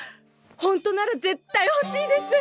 ホントなら絶対ほしいです！